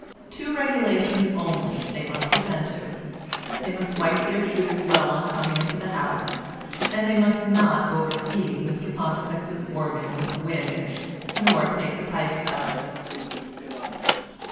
Two regulations only they must attend to; they must wipe their shoes well on coming into the house, and they must not overfeed Mr Pontifex's organ with wind, nor take the pipes out.